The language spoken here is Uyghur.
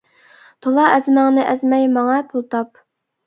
تولا ئەزمەڭنى ئەزمەي، ماڭە پۇل تاپ.